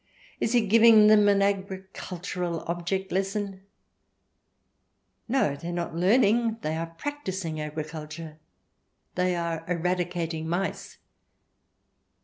" Is he giving them an agricultural object lesson ?"" No, they are not learning ; they are practising agriculture. They are eradicating mice."